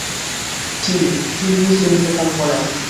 তিনি তিরমিজে ইন্তেকাল করেন।